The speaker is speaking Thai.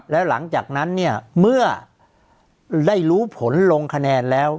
แล้วหลังจากนั้นเนี่ยเมื่อได้รู้ผลลงคะแนนแล้ว